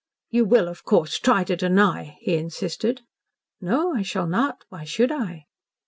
"You will, of course, try to deny " he insisted. "No, I shall not. Why should I?"